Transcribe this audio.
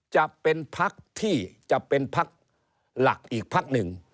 จะเป็นพักที่จะเป็นพักหลักอีกพักหนึ่ง